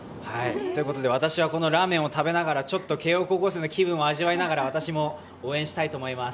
私はこのラーメンを食べながら、ちょっと慶応高校生の気分を味わいながら私も、応援したいと思います。